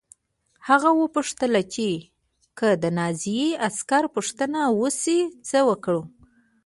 هغه وپوښتل چې که د نازي عسکر پوښتنه وشي څه وکړو